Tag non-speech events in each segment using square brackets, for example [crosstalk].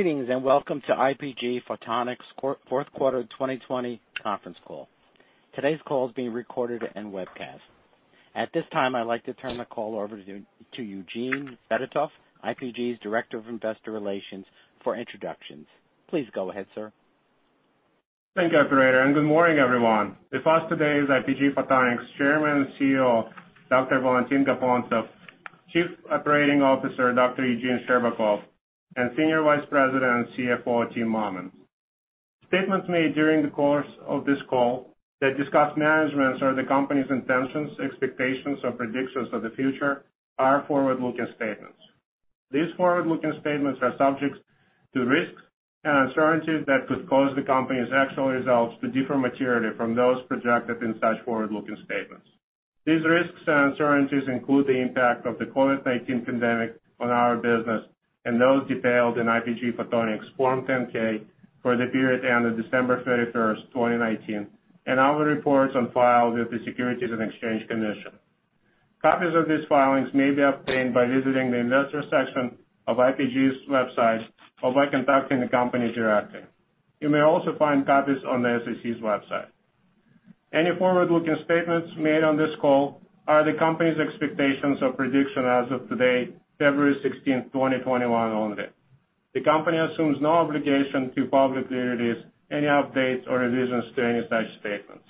Greetings, and welcome to IPG Photonics Fourth Quarter 2020 Conference Call. Today's call is being recorded and webcast. At this time, I'd like to turn the call over to Eugene Fedotoff, IPG's Director of Investor Relations for introductions. Please go ahead, Sir. Thank you, operator, and good morning, everyone. With us today is IPG Photonics Chairman, CEO, Dr. Valentin Gapontsev, Chief Operating Officer, Dr. Eugene Scherbakov, and Senior Vice President and CFO, Timothy Mammen. Statements made during the course of this call that discuss management's or the company's intentions, expectations, or predictions for the future are forward-looking statements. These forward-looking statements are subject to risks and uncertainties that could cause the company's actual results to differ materially from those projected in such forward-looking statements. These risks and uncertainties include the impact of the COVID-19 pandemic on our business and those detailed in IPG Photonics' Form 10-K for the period ending December 31st, 2019, and our reports on file with the Securities and Exchange Commission. Copies of these filings may be obtained by visiting the investor section of IPG's website or by contacting the company directly. You may also find copies on the SEC's website. Any forward-looking statements made on this call are the company's expectations or prediction as of today, February 16, 2021, only. The company assumes no obligation to publicly release any updates or revisions to any such statements.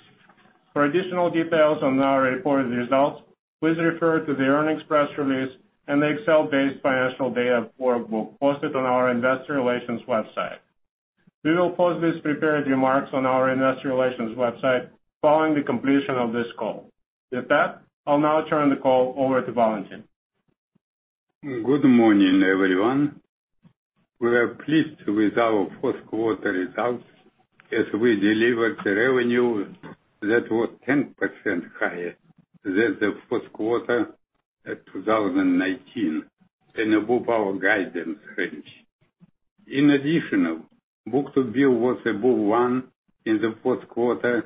For additional details on our reported results, please refer to the earnings press release and the Excel-based financial data workbook posted on our investor relations website. We will post these prepared remarks on our investor relations website following the completion of this call. With that, I'll now turn the call over to Valentin. Good morning, everyone. We are pleased with our fourth quarter results as we delivered revenue that was 10% higher than the fourth quarter of 2019 and above our guidance range. In addition, book-to-bill was above one in the fourth quarter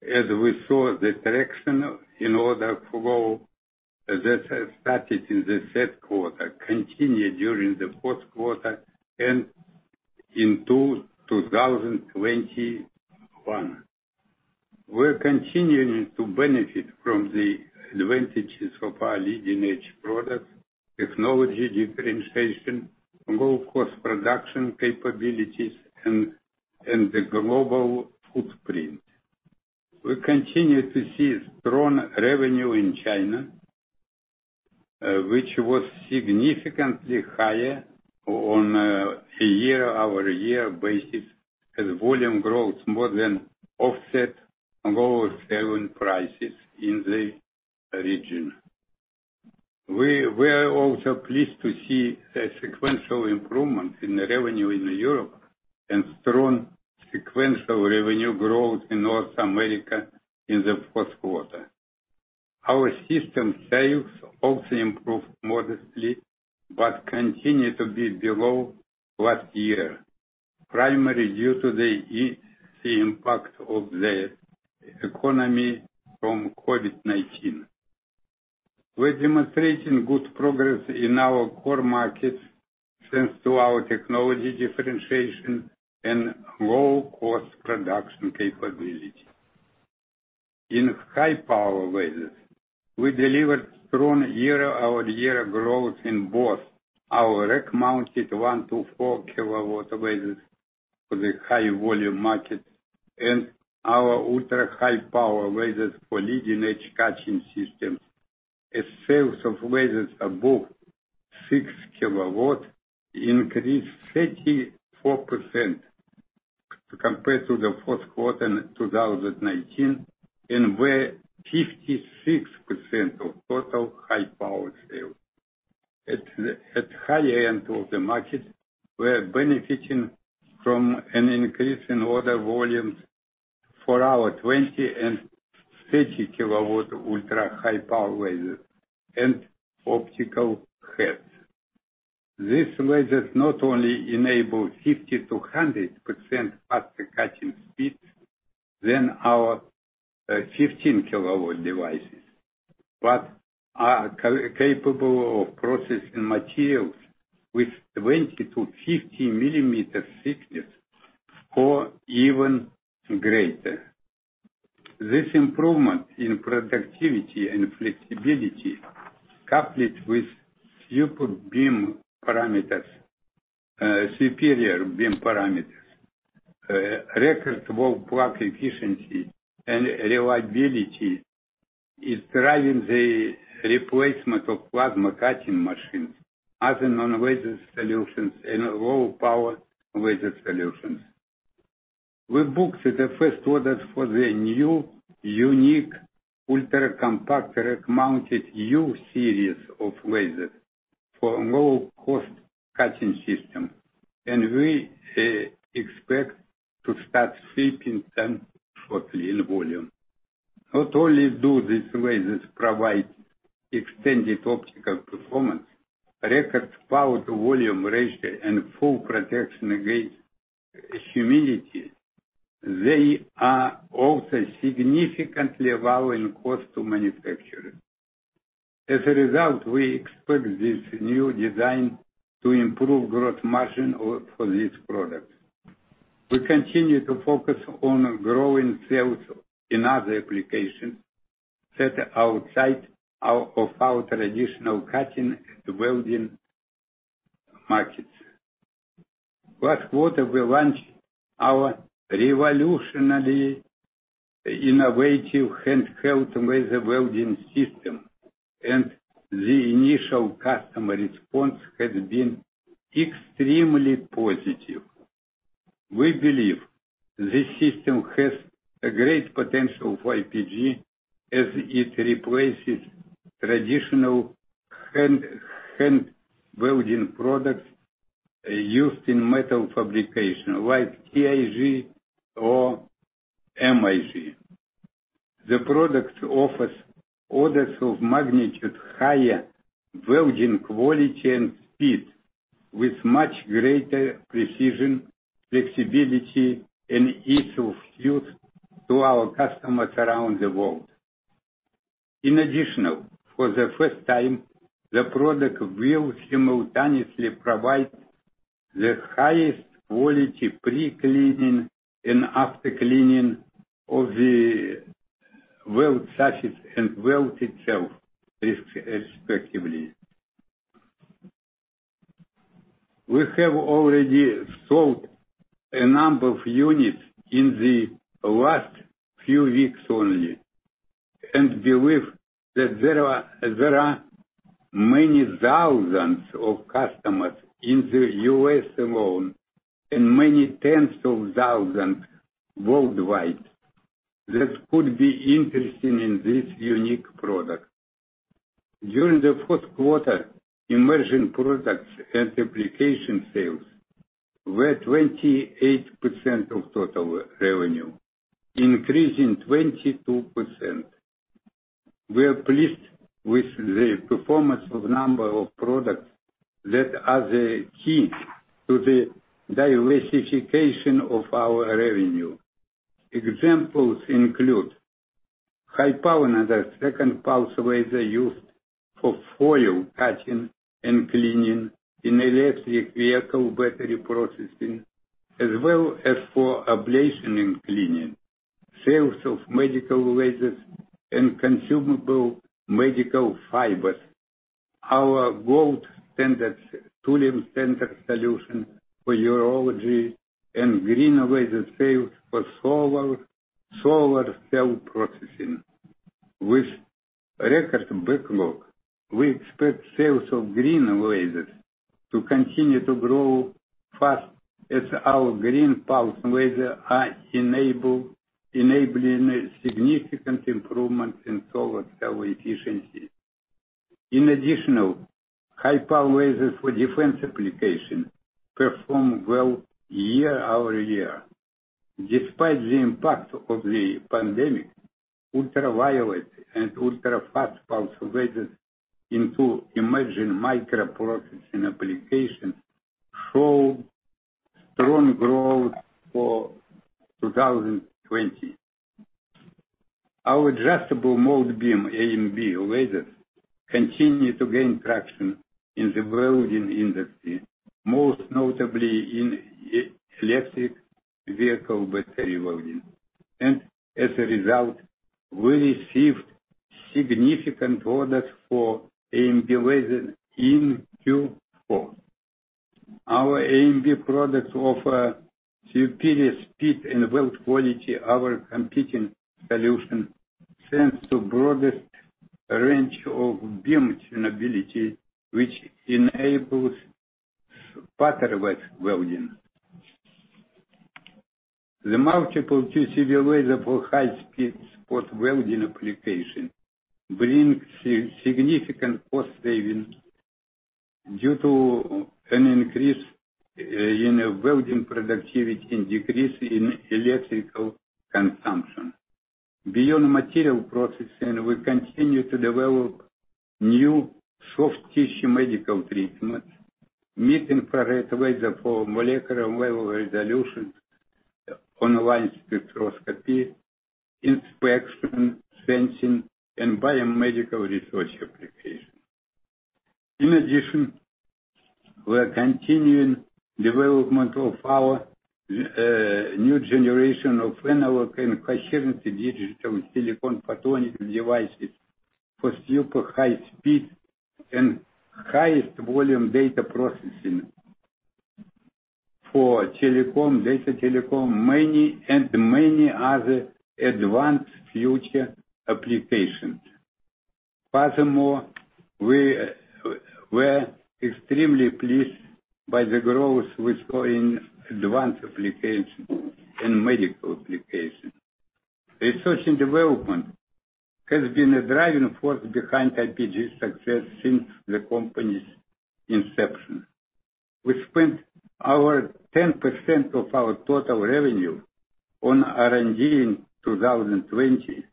as we saw the traction in order flow that had started in the third quarter continue during the fourth quarter and into 2021. We're continuing to benefit from the advantages of our leading-edge products, technology differentiation, low-cost production capabilities, and the global footprint. We continue to see strong revenue in China, which was significantly higher on a year-over-year basis, as volume growth more than offset lower selling prices in the region. We are also pleased to see a sequential improvement in revenue in Europe and strong sequential revenue growth in North America in the fourth quarter. Our system sales also improved modestly but continue to be below last year, primarily due to the impact of the economy from COVID-19. We're demonstrating good progress in our core markets, thanks to our technology differentiation and low-cost production capability. In high-power lasers, we delivered strong year-over-year growth in both our rack-mounted 1 kW-4 kW lasers for the high-volume market and our ultra-high power lasers for leading-edge cutting systems, as sales of lasers above 6 kW increased 34% compared to the fourth quarter in 2019 and were 56% of total high-power sales. At the high end of the market, we're benefiting from an increase in order volumes for our 20 kW and 30 kW ultra-high-power lasers and optical heads. These lasers not only enable 50%-100% faster cutting speeds than our 15 kW devices but are capable of processing materials with 20 mm-50 mm thickness or even greater. This improvement in productivity and flexibility, coupled with superior beam parameters, record wall plug efficiency, and reliability, is driving the replacement of plasma cutting machines, other non-laser solutions, and low-power laser solutions. We booked the first orders for the new unique ultra-compact rack-mounted U Series of lasers for low-cost cutting systems, and we expect to start shipping them shortly in volume. Not only do these lasers provide extended optical performance, record power-to-volume ratio, and full protection against humidity, they are also significantly lower in cost to manufacturers. As a result, we expect this new design to improve gross margin for this product. We continue to focus on growing sales in other applications that are outside of our traditional cutting and welding markets. Last quarter, we launched our revolutionary innovative handheld laser welding system, and the initial customer response has been extremely positive. We believe this system has a great potential for IPG as it replaces traditional hand welding products used in metal fabrication, like TIG or MIG. The product offers orders of magnitude higher welding quality and speed with much greater precision, flexibility, and ease of use to our customers around the world. In addition, for the first time, the product will simultaneously provide the highest quality pre-cleaning and after-cleaning of the weld surfaces and weld itself, respectively. We have already sold a number of units in the last few weeks only and believe that there are many thousands of customers in the U.S. alone, and many 10s of thousands worldwide, that could be interested in this unique product. During the fourth quarter, emerging products and application sales were 28% of total revenue, increasing 22%. We are pleased with the performance of a number of products that are the key to the diversification of our revenue. Examples include high-power nanosecond pulse laser used for foil cutting and cleaning in electric vehicle battery processing, as well as for ablation and cleaning, sales of medical lasers and consumable medical fibers. Our gold thulium fiber laser solution for urology and green laser sales for solar cell processing. With record backlog, we expect sales of green lasers to continue to grow fast as our green pulse lasers are enabling a significant improvement in solar cell efficiency. In addition, high-power lasers for defense application performed well year-over-year. Despite the impact of the pandemic, ultraviolet and ultrafast pulse lasers into emerging microprocessing applications show strong growth for 2020. Our Adjustable Mode Beam, AMB, lasers continue to gain traction in the welding industry, most notably in electric vehicle battery welding, and as a result, we received significant orders for AMB lasers in Q4. Our AMB products offer superior speed and weld quality over competing solutions, thanks to broadest range of beam tunability, which enables spot or seam welding. The multiple QCW laser for high-speed spot welding application brings significant cost savings due to an increase in welding productivity and decrease in electrical consumption. Beyond material processing, we continue to develop new soft tissue medical treatment, mid-infrared laser for molecular level resolution online spectroscopy, inspection, sensing, and biomedical research applications. We are continuing development of our new generation of analog and coherent digital silicon photonic devices for super high speed and highest volume data processing for data telecom, and many other advanced future applications. Furthermore, we're extremely pleased by the growth we saw in advanced applications and medical applications. Research and development has been a driving force behind IPG's success since the company's inception. We spent 10% of our total revenue on R&D in 2020,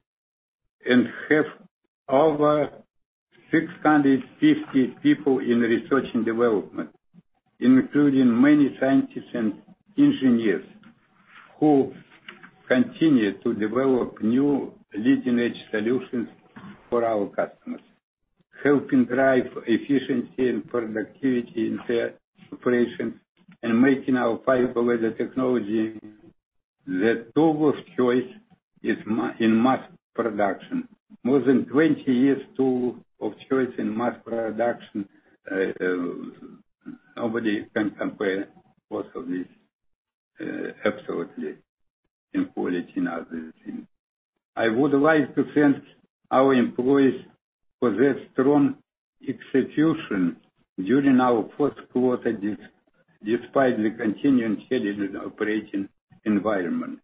and have over 650 people in research and development, including many scientists and engineers who continue to develop new leading-edge solutions for our customers, helping drive efficiency and productivity in their operations, and making our fiber laser technology the tool of choice in mass production. More than 20 years tool of choice in mass production. Nobody can compare most of this absolutely in quality and other things. I would like to thank our employees for their strong execution during our fourth quarter, despite the continuing challenging operating environment.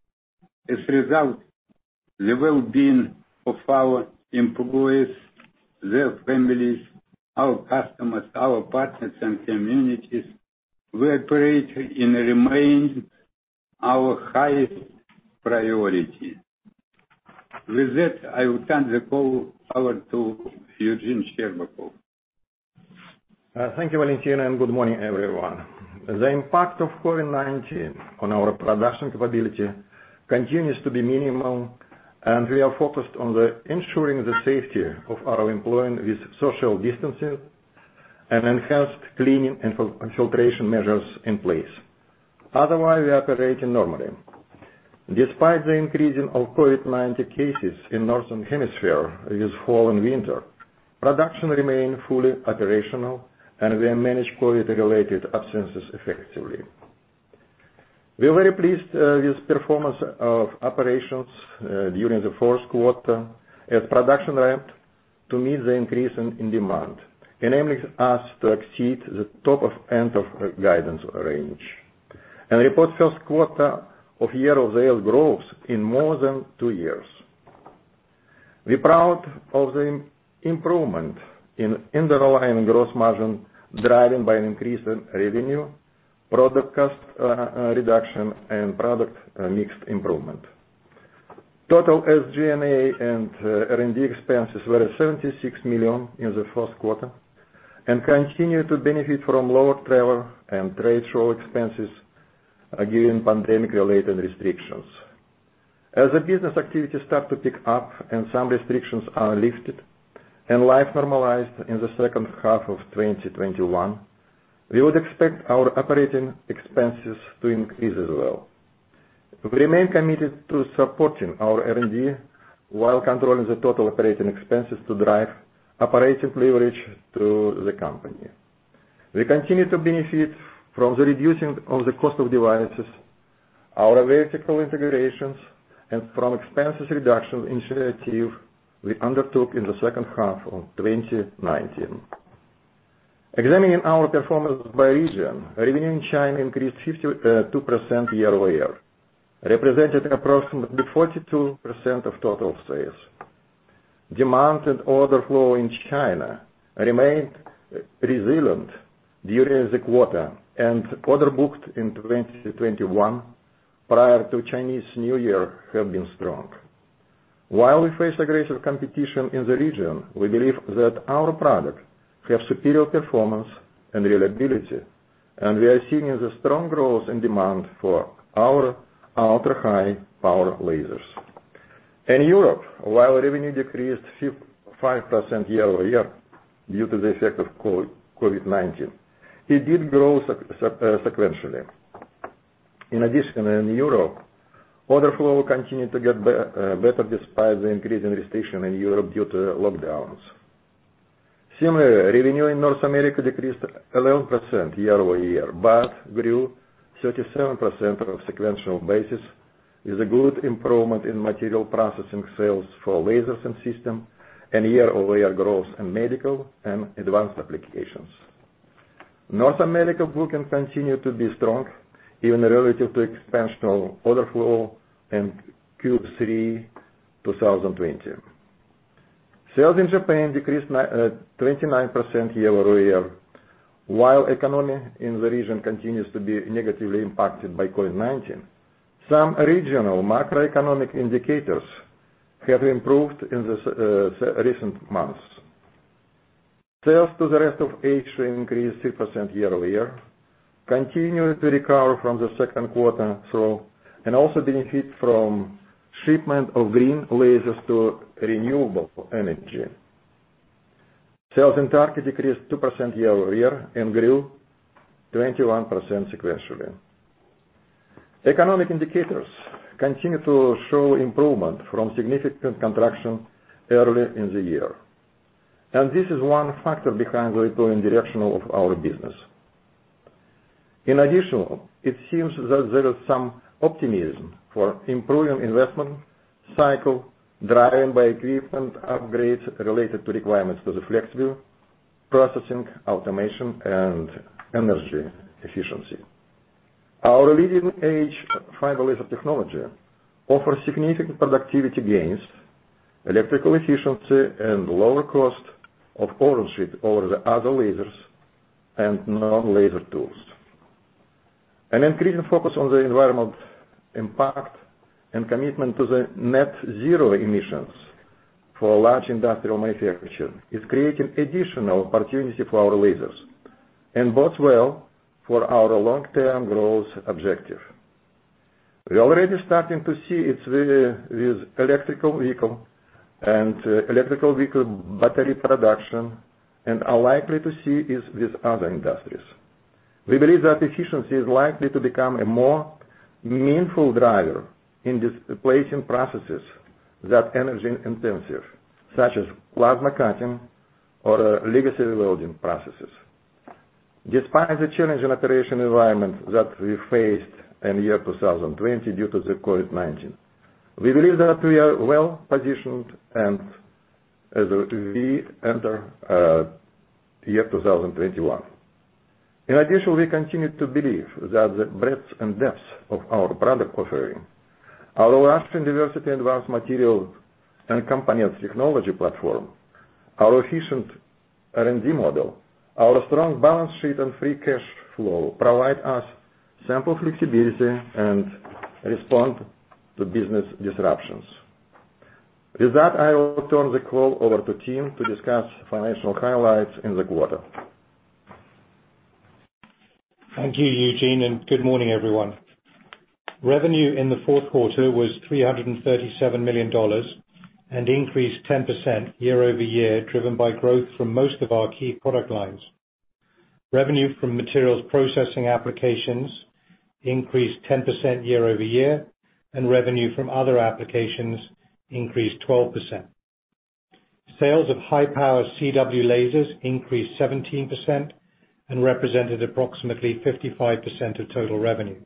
As a result, the well-being of our employees, their families, our customers, our partners, and communities we operate and remain our highest priority. With that, I will turn the call over to Eugene Scherbakov. Thank you, Valentin, and good morning, everyone. The impact of COVID-19 on our production capability continues to be minimal, and we are focused on ensuring the safety of our employees with social distancing and enhanced cleaning and filtration measures in place. Otherwise, we are operating normally. Despite the increase in COVID-19 cases in Northern Hemisphere this fall and winter, production remained fully operational, and we have managed COVID-related absences effectively. We are very pleased with performance of operations during the fourth quarter as production ramped to meet the increase in demand, enabling us to exceed the top end of guidance range, and reportfourth quarter of year-over-year growth in more than two years. We're proud of the improvement in underlying gross margin driven by an increase in revenue, product cost reduction, and product mix improvement. Total SG&A and R&D expenses were $76 million in the fourth quarter, continue to benefit from lower travel and trade show expenses, again, pandemic-related restrictions. As the business activities start to pick up and some restrictions are lifted and life normalized in the second half of 2021, we would expect our operating expenses to increase as well. We remain committed to supporting our R&D while controlling the total operating expenses to drive operating leverage trough the company. We continue to benefit from the reducing of the cost of devices, our vertical integrations, and from expenses reduction initiative we undertook in the second half of 2019. Examining our performance by region, revenue in China increased 52% year-over-year, representing approximately 42% of total sales. Demand and order flow in China remained resilient during the quarter, orders booked in 2021 prior to Chinese New Year have been strong. While we face aggressive competition in the region, we believe that our products have superior performance and reliability, and we are seeing the strong growth and demand for our ultra-high power lasers. In Europe, while revenue decreased 5% year-over-year due to the effect of COVID-19, it did grow sequentially. In addition, in Europe, order flow continued to get better despite the increasing restriction in Europe due to lockdowns. Similarly, revenue in North America decreased 11% year-over-year, but grew 37% on a sequential basis, with a good improvement in material processing sales for lasers and systems, and year-over-year growth in medical and advanced applications. North America booking continued to be strong even relative to expansion of order flow in Q3 2020. Sales in Japan decreased 29% year-over-year. While economy in the region continues to be negatively impacted by COVID-19, some regional macroeconomic indicators have improved in the recent months. Sales to the rest of Asia increased 6% year-over-year, continuing to recover from the second quarter trough, and also benefit from shipment of green lasers to renewable energy. Sales in Turkey decreased 2% year-over-year and grew 21% sequentially. Economic indicators continue to show improvement from significant contraction early in the year, and this is one factor behind the improving direction of our business. In addition, it seems that there is some optimism for improving investment cycle driven by equipment upgrades related to requirements for the flexible processing, automation, and energy efficiency. Our leading-edge fiber laser technology offers significant productivity gains, electrical efficiency, and lower cost of ownership over the other lasers and non-laser tools. An increasing focus on the environment impact and commitment to the net zero emissions for large industrial manufacturers is creating additional opportunity for our lasers. Bodes well for our long-term growth objective. We already starting to see it with electrical vehicle and electrical vehicle battery production, and are likely to see it with other industries. We believe that efficiency is likely to become a more meaningful driver in displacing processes that energy intensive, such as plasma cutting or legacy welding processes. Despite the challenging operational environment that we faced in year 2020 due to the COVID-19, we believe that we are well-positioned as we enter year 2021. In addition, we continues to believe that the breadth and depth of our product offering, our vast diversity advanced material and components technology platform, our efficient R&D model, our strong balance sheet, and free cash flow provide us ample flexibility and respond to business disruptions. With that, I will turn the call over to Tim to discuss financial highlights in the quarter. Thank you, Eugene, and good morning, everyone. Revenue in the fourth quarter was $337 million and increased 10% year-over-year, driven by growth from most of our key product lines. Revenue from materials processing applications increased 10% year-over-year, and revenue from other applications increased 12%. Sales of high-power CW lasers increased 17% and represented approximately 55% of total revenue.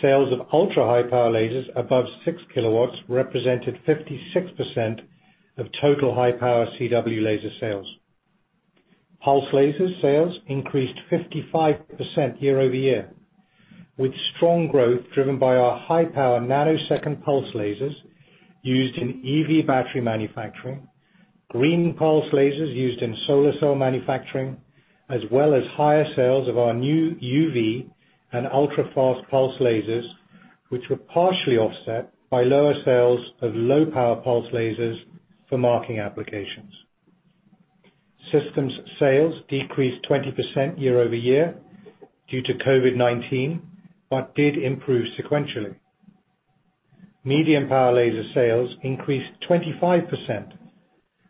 Sales of ultra-high-power lasers above 6 kW represented 56% of total high-power CW laser sales. Pulse lasers sales increased 55% year-over-year, with strong growth driven by our high-power nanosecond pulse lasers used in EV battery manufacturing, green pulse lasers used in solar cell manufacturing, as well as higher sales of our new UV and ultrafast pulse lasers, which were partially offset by lower sales of low-power pulse lasers for marking applications. Systems sales decreased 20% year-over-year due to COVID-19 but did improve sequentially. Medium power laser sales increased 25%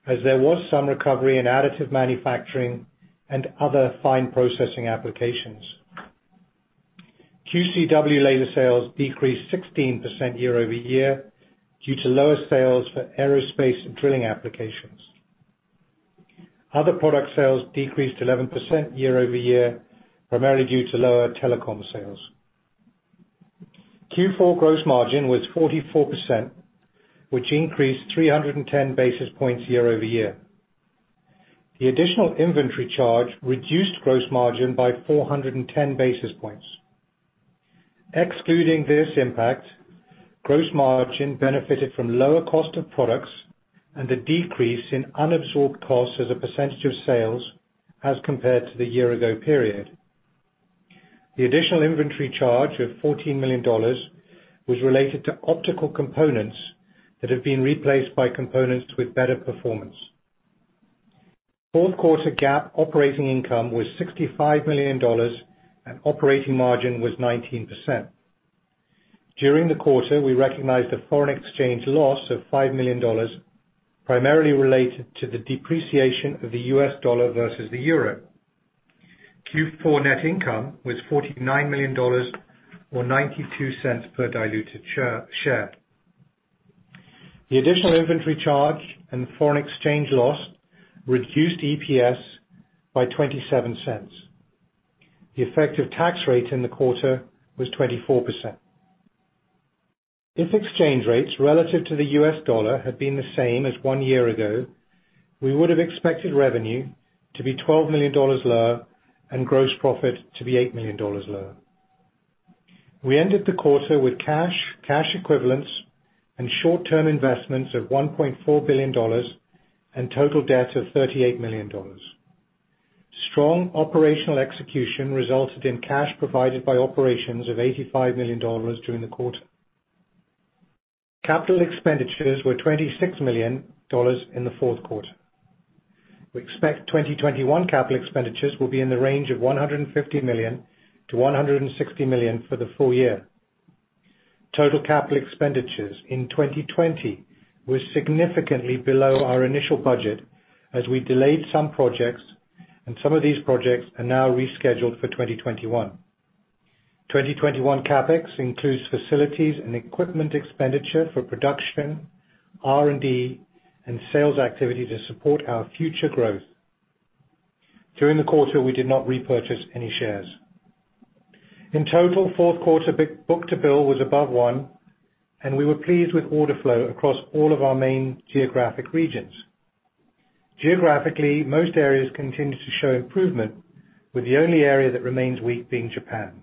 as there was some recovery in additive manufacturing and other fine processing applications. QCW laser sales decreased 16% year-over-year due to lower sales for aerospace and drilling applications. Other product sales decreased 11% year-over-year, primarily due to lower telecom sales. Q4 gross margin was 44%, which increased 310 basis points year-over-year. The additional inventory charge reduced gross margin by 410 basis points. Excluding this impact, gross margin benefited from lower cost of products and a decrease in unabsorbed costs as a percentage of sales as compared to the year ago period. The additional inventory charge of $14 million was related to optical components that have been replaced by components with better performance. Fourth quarter GAAP operating income was $65 million, and operating margin was 19%. During the quarter, we recognized a foreign exchange loss of $5 million, primarily related to the depreciation of the U.S. dollar versus the euro. Q4 net income was $49 million, or $0.92 per diluted share. The additional inventory charge and the foreign exchange loss reduced EPS by $0.27. The effective tax rate in the quarter was 24%. If exchange rates relative to the U.S. dollar had been the same as one year ago, we would have expected revenue to be $12 million lower and gross profit to be $8 million lower. We ended the quarter with cash equivalents, and short-term investments of $1.4 billion and total debt of $38 million. Strong operational execution resulted in cash provided by operations of $85 million during the quarter. Capital expenditures were $26 million in the fourth quarter. We expect 2021 capital expenditures will be in the range of $150 million-$160 million for the full year. Total capital expenditures in 2020 were significantly below our initial budget as we delayed some projects. Some of these projects are now rescheduled for 2021. 2021 CapEx includes facilities and equipment expenditure for production, R&D, and sales activity to support our future growth. During the quarter, we did not repurchase any shares. In total, fourth quarter book-to-bill was above one, and we were pleased with order flow across all of our main geographic regions. Geographically, most areas continued to show improvement, with the only area that remains weak being Japan.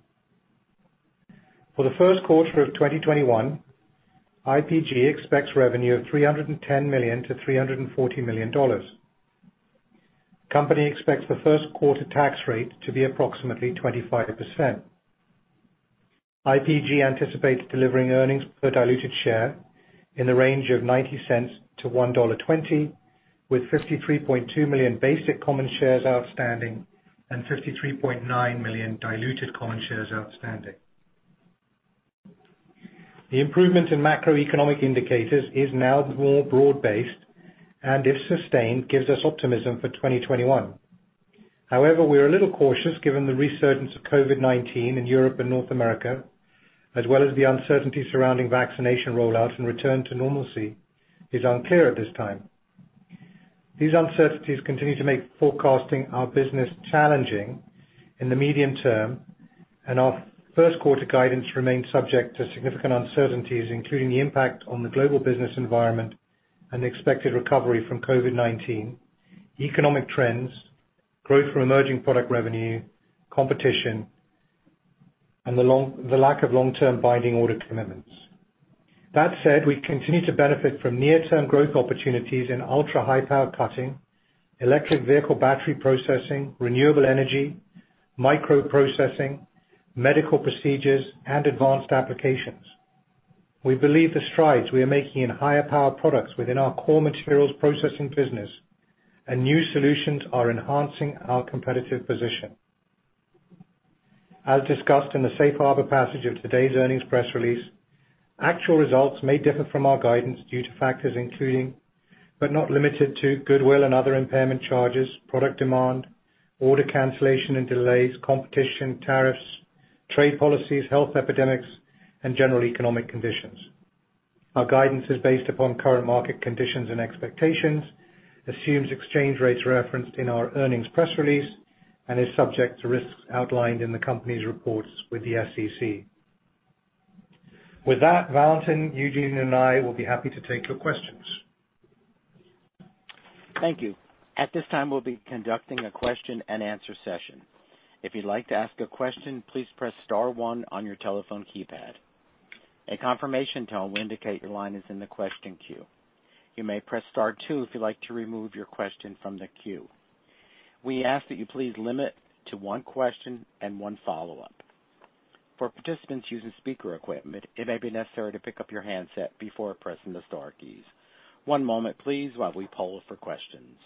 For the first quarter of 2021, IPG expects revenue of $310 million-$340 million. Company expects the first quarter tax rate to be approximately 25%. IPG anticipates delivering earnings per diluted share in the range of $0.90-$1.20, with 53.2 million basic common shares outstanding and 53.9 million diluted common shares outstanding. The improvement in macroeconomic indicators is now more broad-based. If sustained, gives us optimism for 2021. We are a little cautious given the resurgence of COVID-19 in Europe and North America, as well as the uncertainty surrounding vaccination rollout. Return to normalcy is unclear at this time. These uncertainties continue to make forecasting our business challenging in the medium term. Our first quarter guidance remains subject to significant uncertainties, including the impact on the global business environment and the expected recovery from COVID-19, economic trends, growth from emerging product revenue, competition, and the lack of long-term binding order commitments. That said, we continue to benefit from near-term growth opportunities in ultra-high power cutting, electric vehicle battery processing, renewable energy, micro-processing, medical procedures, and advanced applications. We believe the strides we are making in higher power products within our core materials processing business and new solutions are enhancing our competitive position. As discussed in the safe harbor passage of today's earnings press release, actual results may differ from our guidance due to factors including, but not limited to, goodwill and other impairment charges, product demand, order cancellation and delays, competition, tariffs, trade policies, health epidemics, and general economic conditions. Our guidance is based upon current market conditions and expectations, assumes exchange rates referenced in our earnings press release, and is subject to risks outlined in the company's reports with the SEC. With that, Valentin, Eugene, and I will be happy to take your questions. Thank you. At this time, we'll be conducting a question and answer session. If you'd like to ask a question, please press star one on your telephone keypad. A confirmation tone will indicate your line is in the question queue. You may press star two if you'd like to remove your question from the queue. We ask that you please limit to one question and one follow-up. For participants using speaker equipment, it may be necessary to pick up your handset before pressing the star keys. One moment please while we poll for questions.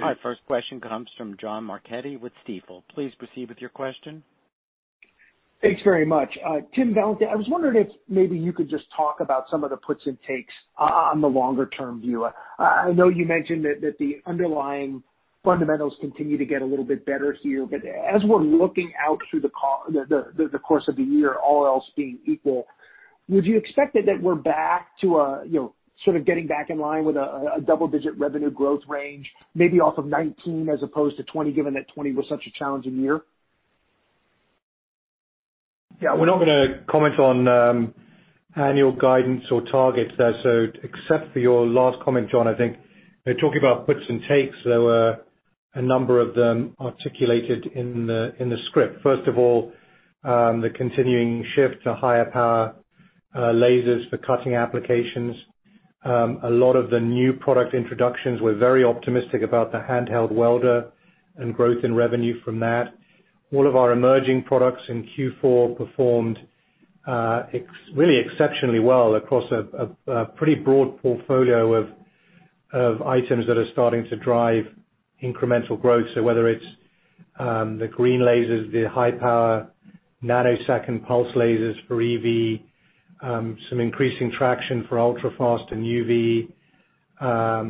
Our first question comes from John Marchetti with Stifel. Please proceed with your question. Thanks very much. Tim, Valentin, I was wondering if maybe you could just talk about some of the puts and takes on the longer-term view. I know you mentioned that the underlying fundamentals continue to get a little bit better here, but as we're looking out through the course of the year, all else being equal, would you expect that we're back to sort of getting back in line with a double-digit revenue growth range, maybe off of 2019 as opposed to 2020, given that 2020 was such a challenging year? Yeah. We're not going to comment on annual guidance or targets there, so except for your last comment, John, I think, talking about puts and takes, there were a number of them articulated in the script. First of all, the continuing shift to higher power lasers for cutting applications. A lot of the new product introductions, we're very optimistic about the handheld welder and growth in revenue from that. All of our emerging products in Q4 performed really exceptionally well across a pretty broad portfolio of items that are starting to drive incremental growth. Whether it's the green lasers, the high power nanosecond pulse lasers for EV, some increasing traction for ultra-fast and UV.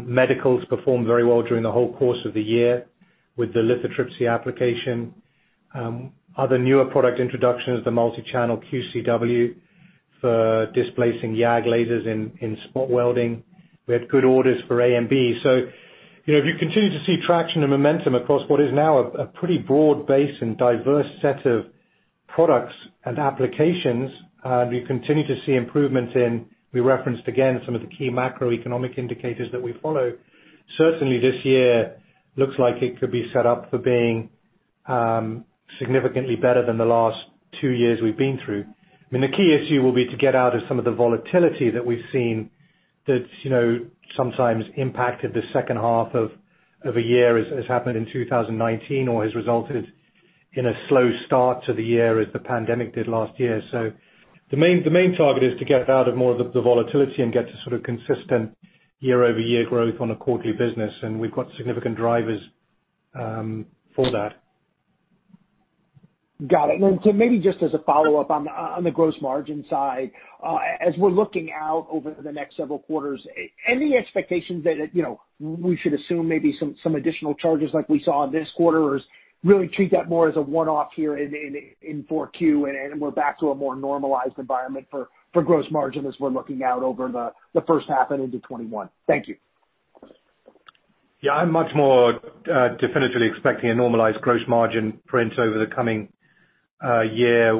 Medicals performed very well during the whole course of the year with the lithotripsy application. Other newer product introductions, the multi-channel QCW for displacing YAG lasers in spot welding. We had good orders for AMB. If you continue to see traction and momentum across what is now a pretty broad base and diverse set of products and applications, and we continue to see improvements in, we referenced again some of the key macroeconomic indicators that we follow. Certainly, this year looks like it could be set up for being significantly better than the last two years we've been trough. I mean, the key issue will be to get out of some of the volatility that we've seen that sometimes impacted the second half of a year, as happened in 2019, or has resulted in a slow start to the year as the pandemic did last year. The main target is to get out of more of the volatility and get to sort of consistent year-over-year growth on a quarterly business, and we've got significant drivers for that. Got it. Tim, maybe just as a follow-up on the gross margin side. As we're looking out over the next several quarters, any expectations that we should assume maybe some additional charges like we saw this quarter? Really treat that more as a one-off here in 4Q, and we're back to a more normalized environment for gross margin as we're looking out over the first half and into 2021. Thank you. Yeah, I'm much more definitively expecting a normalized gross margin print over the coming year.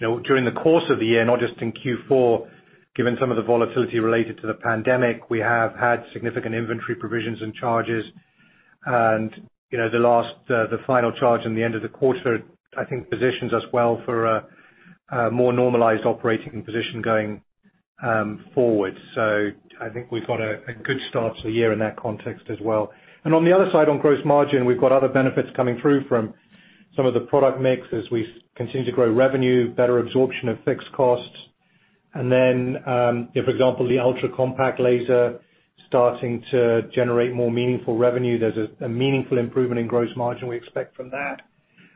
During the course of the year, not just in Q4, given some of the volatility related to the pandemic, we have had significant inventory provisions and charges. The final charge in the end of the quarter, I think, positions us well for a more normalized operating position going forward. I think we've got a good start to the year in that context as well. On the other side, on gross margin, we've got other benefits coming through from some of the product mix as we continue to grow revenue, better absorption of fixed costs. For example, the ultra-compact laser starting to generate more meaningful revenue. There's a meaningful improvement in gross margin we expect from that.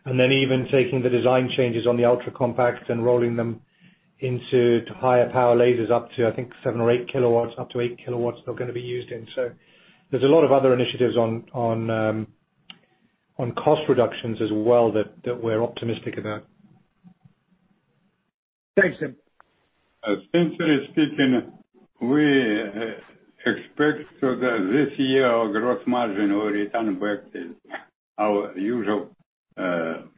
Even taking the design changes on the ultra-compacts and rolling them into higher power lasers up to, I think 7 kW or 8 kW, up to 8 kW they're going to be used in. There's a lot of other initiatives on cost reductions as well that we're optimistic about. Thanks, Tim. As [Spencer is speaking], we expect so that this year our gross margin will return back to our usual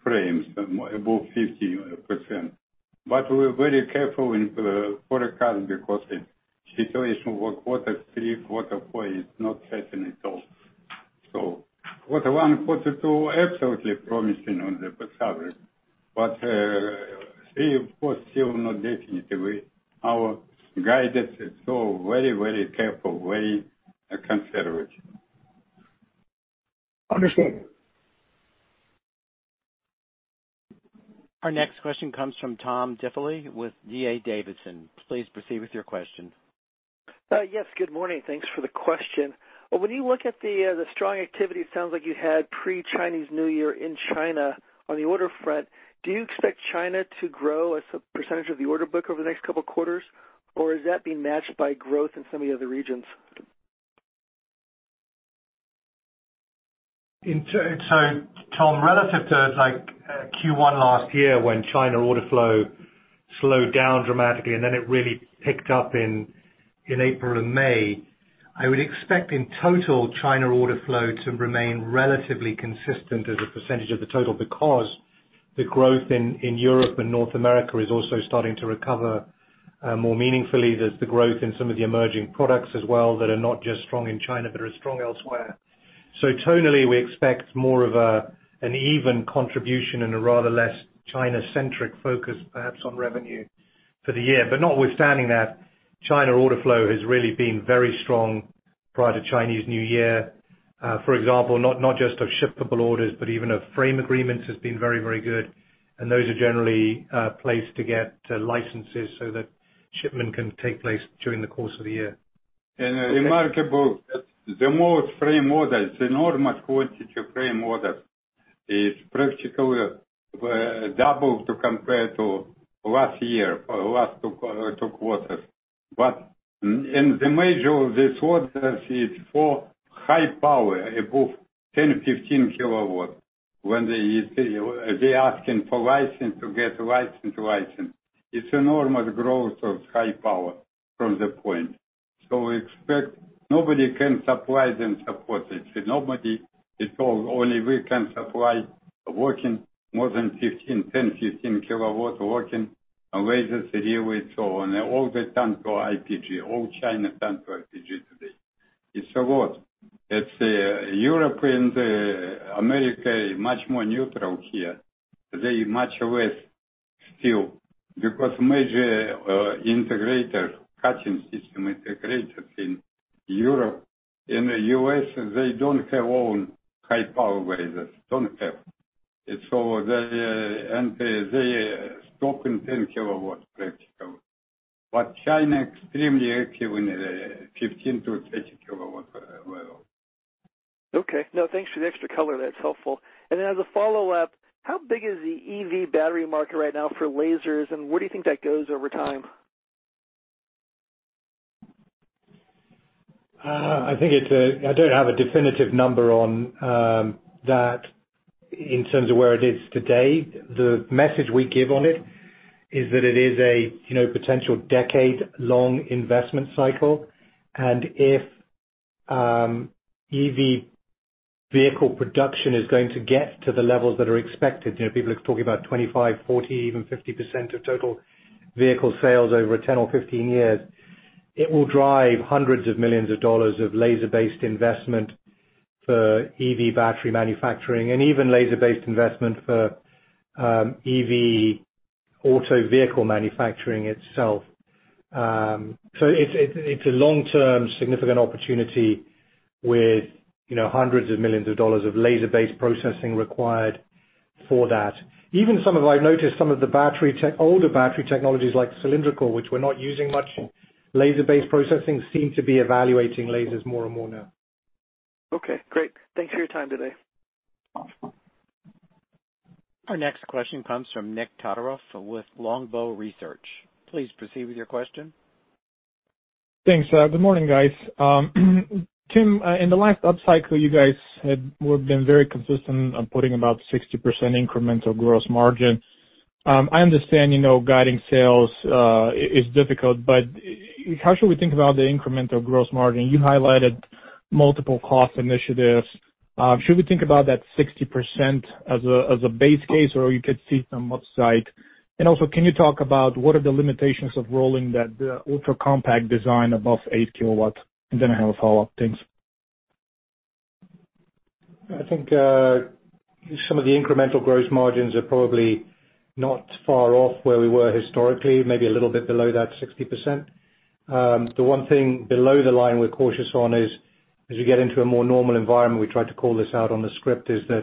frames, above 50%. We're very careful in forecasting because the situation for quarter three, quarter four is not certain at all. Quarter one, quarter two absolutely promising on the progress. Three and four, still not definitely. Our guidance is still very, very careful, very conservative. Understand. Our next question comes from Tom Diffely with D.A. Davidson. Please proceed with your question. Yes. Good morning. Thanks for the question. When you look at the strong activity, it sounds like you had pre-Chinese New Year in China on the order front. Do you expect China to grow as a percentage of the order book over the next couple of quarters, or is that being matched by growth in some of the other regions? Tom, relative to Q1 last year when China order flow slowed down dramatically and then it really picked up in April and May, I would expect in total China order flow to remain relatively consistent as a percent of the total because the growth in Europe and North America is also starting to recover more meaningfully. There's the growth in some of the emerging products as well that are not just strong in China, but are strong elsewhere. Tonally, we expect more of an even contribution and a rather less China-centric focus, perhaps, on revenue for the year. Notwithstanding that, China order flow has really been very strong prior to Chinese New Year. For example, not just of shippable orders, but even of frame agreements has been very, very good, and those are generally placed to get licenses so that shipment can take place during the course of the year. Remarkable, the most frame orders, enormous quantity of frame orders is practically double to compare to last year for last two quarters. The major of these orders is for high power, above 10 kW-15 kW. When they asking for license to get license. It's enormous growth of high power from the point. We expect nobody can supply them, of course. It's nobody. It's all only we can supply working more than 15 kW, 10 kW, 15 kW working on lasers here with so on. All they turn to IPG, all China turn to IPG today. It's a lot. It's Europe and America is much more neutral here. They much less still, because major integrators, cutting system integrators in Europe, in the U.S., they don't have own high-power lasers. Don't have. They stop in 10 kW practically. China extremely active in the 15 kW-30 kW level. Okay. No, thanks for the extra color. That's helpful. Then as a follow-up, how big is the EV battery market right now for lasers, and where do you think that goes over time? I don't have a definitive number on that in terms of where it is today. The message we give on it is that it is a potential decade-long investment cycle. If EV vehicle production is going to get to the levels that are expected, people are talking about 25%, 40%, even 50% of total vehicle sales over 10 or 15 years, it will drive hundreds of millions of dollars of laser-based investment for EV battery manufacturing and even laser-based investment for EV auto vehicle manufacturing itself. It's a long-term significant opportunity with hundreds of millions of dollars of laser-based processing required for that. Even I've noticed some of the older battery technologies like cylindrical, which we're not using much laser-based processing, seem to be evaluating lasers more and more now. Okay, great. Thanks for your time today. Awesome. Our next question comes from Nikolay Todorov with Longbow Research. Please proceed with your question. Thanks. Good morning, guys. Tim, in the last upcycle, you guys have been very consistent on putting about 60% incremental gross margin. How should we think about the incremental gross margin? You highlighted multiple cost initiatives. Should we think about that 60% as a base case, or you could see some upside? Also, can you talk about what are the limitations of rolling that ultra-compact design above 8 kW? Then I have a follow-up. Thanks. I think some of the incremental gross margins are probably not far off where we were historically, maybe a little bit below that 60%. The one thing below the line we're cautious on is as we get into a more normal environment, we tried to call this out on the script, is that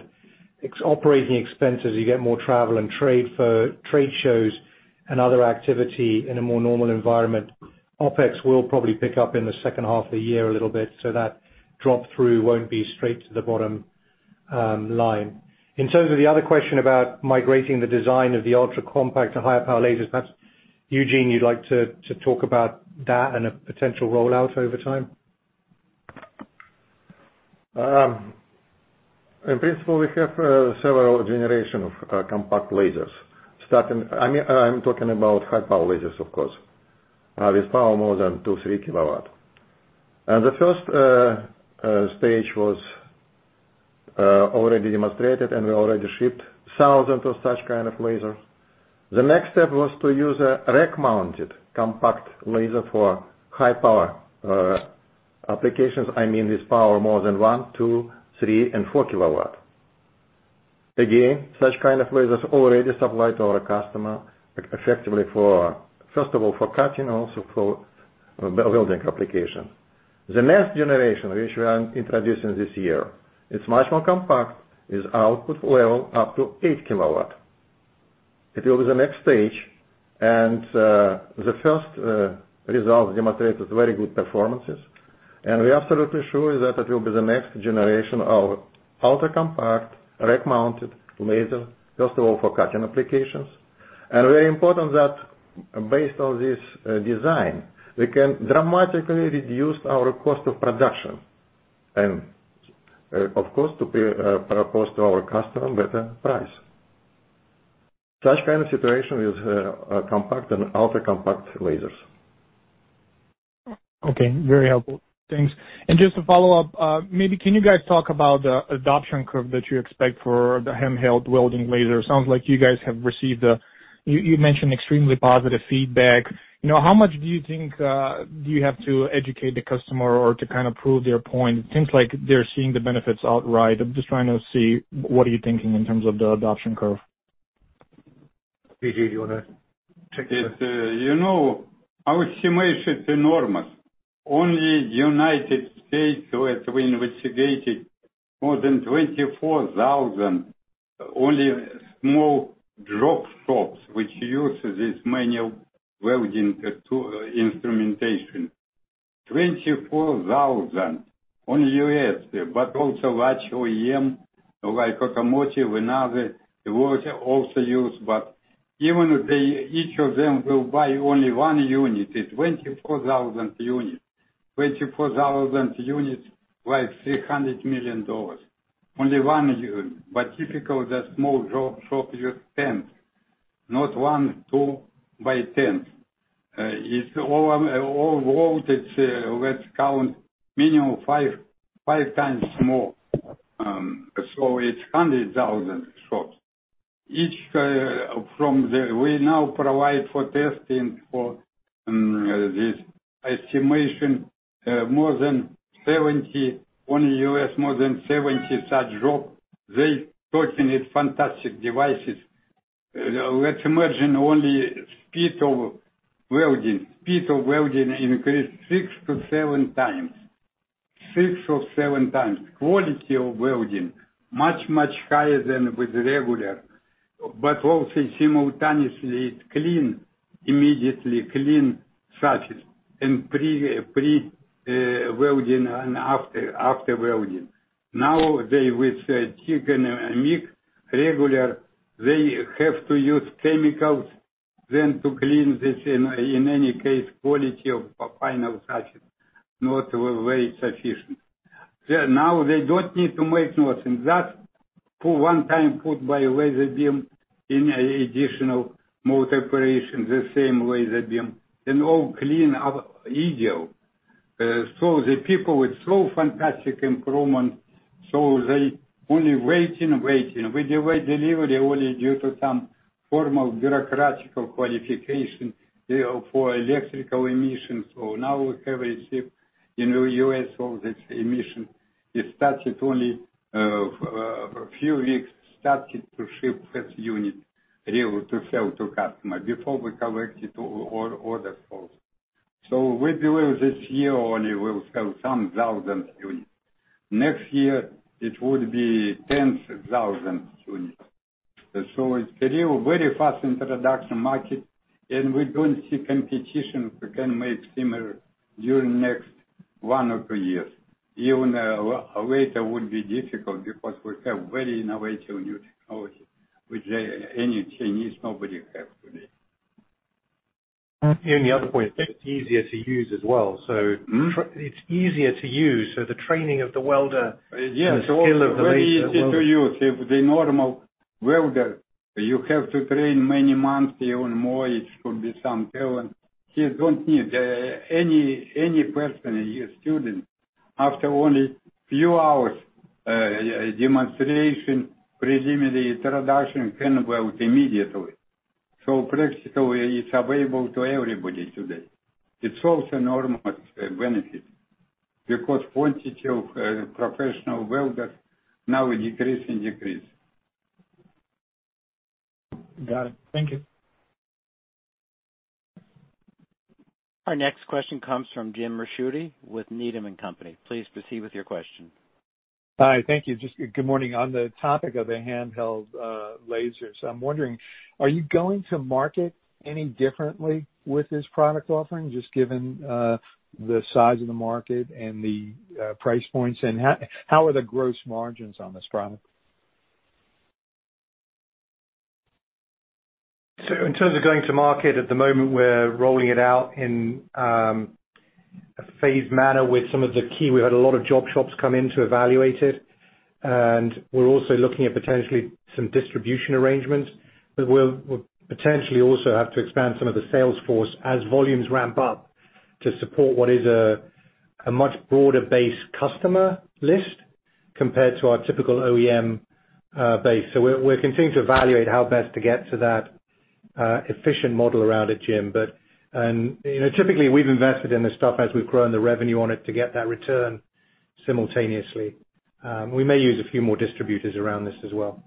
it's operating expenses. You get more travel and trade shows and other activity in a more normal environment. OPEX will probably pick up in the second half of the year a little bit, so that drop-trough won't be straight to the bottom line. In terms of the other question about migrating the design of the ultra-compact to higher power lasers, perhaps, Eugene, you'd like to talk about that and a potential rollout over time? In principle, we have several generations of compact lasers. I'm talking about high-power lasers, of course, with power more than 2 kW, 3 kW. The first stage was already demonstrated, and we already shipped thousands of such kind of lasers. The next step was to use a rack-mounted compact laser for high-power applications. I mean, with power more than 1 kW, 2 kW, 3 kW, and 4 kW. Again, such kind of lasers already supplied to our customer, effectively for, first of all, for cutting, also for welding applications. The next generation, which we are introducing this year, it's much more compact, its output level up to 8 kW. It will be the next stage, the first result demonstrated very good performances. We are absolutely sure that it will be the next generation of ultra-compact, rack-mounted laser, first of all, for cutting applications. Very important that based on this design, we can dramatically reduce our cost of production and, of course, to propose to our customer better price. Such kind of situation with compact and ultra-compact lasers. Okay. Very helpful. Thanks. Just to follow up, maybe can you guys talk about the adoption curve that you expect for the handheld welding laser? Sounds like you guys have received, you mentioned extremely positive feedback. How much do you think do you have to educate the customer or to kind of prove their point? It seems like they're seeing the benefits outright. I'm just trying to see what are you thinking in terms of the adoption curve. Eugene, do you want to take it? Our estimation is enormous. Only U.S., we investigated more than 24,000 only small job shops which use this manual welding instrumentation. 24,000 only U.S., also large OEM, like automotive and other work also use. Even if each of them will buy only one unit, it's 24,000 units. 24,000 units, like $300 million. Only one unit. Typical that small job shop use 10. Not one, two, buy 10. Overall, let's count minimum 5x more. It's 100,000 shops. We now provide for testing for this estimation, only U.S., more than 70 such job. They talking it's fantastic devices. Let's imagine only speed of welding. Speed of welding increased 6x 6-7x. Six or seven times. Quality of welding, much, much higher than with regular, but also simultaneously it clean, immediately clean surfaces in pre-welding and after welding. They with TIG and MIG, regular, they have to use chemicals then to clean this. Quality of final surface not very sufficient. They don't need to make nothing. One time put by laser beam in additional mode operation, the same laser beam, and all clean up easily. The people with so fantastic improvement, they only waiting. We delay delivery only due to some formal bureaucratic qualification for electrical emissions. Now we have received in the U.S. all this emission. It started only a few weeks, started to ship first unit, really to sell to customer. Before, we collected all orders first. We believe this year only we'll sell some thousands units. Next year, it would be tens of thousands units. It's really very fast introduction market, and we don't see competition who can make similar during next one or two years. Even later would be difficult because we have very innovative new technology, which any Chinese, nobody have today. The other point, it's easier to use as well. Hmm. It's easier to use, so the training of the welder and the skill of the welder. Yes, very easy to use. If the normal welder, you have to train many months, even more, it could be some talent. Here, don't need. Any person, your student, after only few hours demonstration, presumably introduction, can weld immediately. Practically, it's available to everybody today. It's also enormous benefit because quantity of professional welders now decrease and decrease. Got it. Thank you. Our next question comes from Jim Ricchiuti with Needham & Company. Please proceed with your question. Hi. Thank you. Good morning. On the topic of the handheld lasers, I'm wondering, are you going to market any differently with this product offering, just given the size of the market and the price points? How are the gross margins on this product? In terms of going to market, at the moment, we're rolling it out in a phased manner with some of the key. We've had a lot of job shops come in to evaluate it, and we're also looking at potentially some distribution arrangements. We'll potentially also have to expand some of the sales force as volumes ramp up to support what is a much broader base customer list compared to our typical OEM base. We're continuing to evaluate how best to get to that efficient model around it, Jim. Typically, we've invested in the stuff as we've grown the revenue on it to get that return simultaneously. We may use a few more distributors around this as well.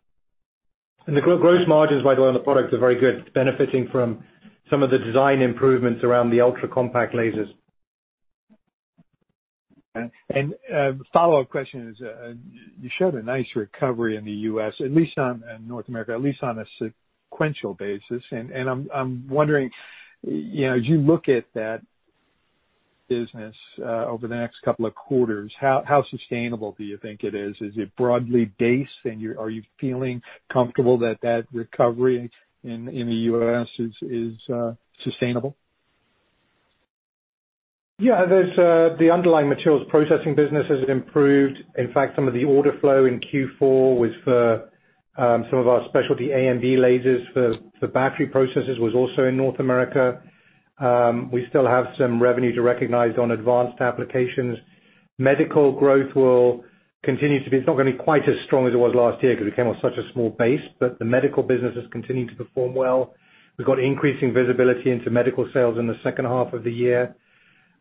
The gross margins, by the way, on the product are very good, benefiting from some of the design improvements around the ultra-compact lasers. Follow-up question is, you showed a nice recovery in the U.S. and North America, at least on a sequential basis. I'm wondering, as you look at that business over the next couple of quarters, how sustainable do you think it is? Is it broadly based, and are you feeling comfortable that that recovery in the U.S. is sustainable? Yeah. The underlying materials processing business has improved. In fact, some of the order flow in Q4 was for some of our specialty AMB lasers for battery processes was also in North America. We still have some revenue to recognize on advanced applications. Medical growth will continue to be, it's not going to be quite as strong as it was last year because it came off such a small base. The medical business has continued to perform well. We've got increasing visibility into medical sales in the second half of the year.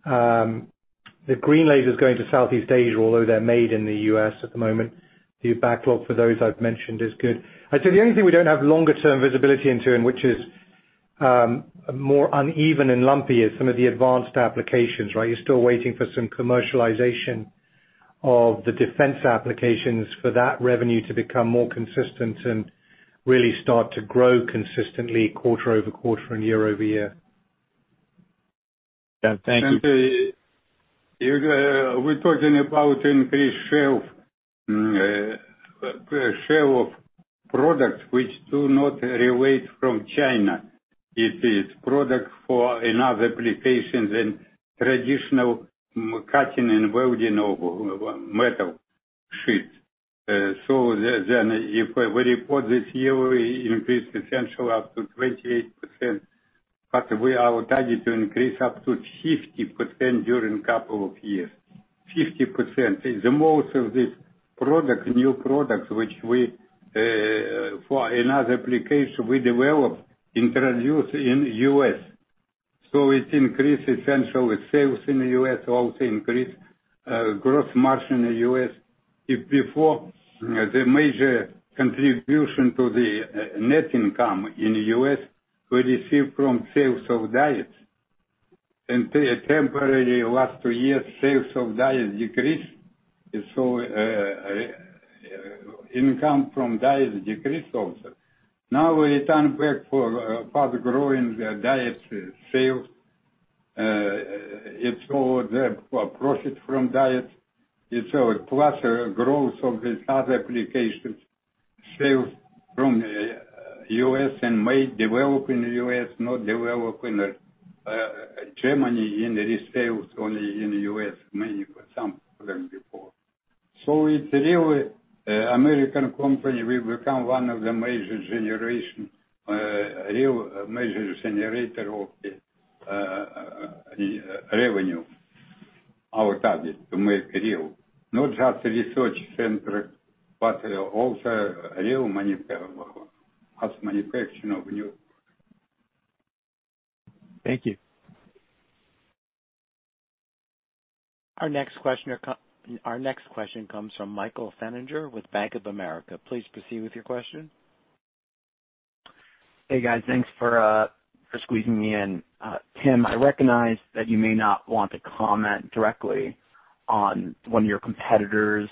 The green lasers going to Southeast Asia, although they're made in the U.S. at the moment, the backlog for those I've mentioned is good. I'd say the only thing we don't have longer term visibility into, and which is more uneven and lumpy, is some of the advanced applications, right? You're still waiting for some commercialization of the defense applications for that revenue to become more consistent and really start to grow consistently quarter-over-quarter and year-over-year. Thank you. We're talking about increased share of products which do not relate from China. It is product for another applications than traditional cutting and welding of metal sheets. If we report this year, we increase potential up to 28%, but we are target to increase up to 50% during couple of years. 50%. The most of this product, new product, which we, for another application we develop, introduce in the U.S. It increase essential sales in the U.S., also increase gross margin in the U.S. If before, the major contribution to the net income in the U.S. we receive from sales of diodes. Temporarily, last two years, sales of diodes decreased. Income from diodes decreased also. Now we return back for further growing the diodes sales. It's all the profit from diodes. It's our cluster growth of this other applications, sales from U.S. and made, developed in the U.S., not developed in Germany, and it is sales only in the U.S. mainly, but some from before. It's real American company. We've become one of the major generation, real major generator of the revenue. Our target to make real, not just research center, but also real manufacture. [audio distortion] Thank you. Our next question comes from Michael Feniger with Bank of America. Please proceed with your question. Hey, guys. Thanks for squeezing me in. Tim, I recognize that you may not want to comment directly on one of your competitors.